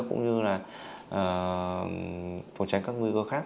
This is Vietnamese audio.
cũng như là phòng tránh các nguy cơ khác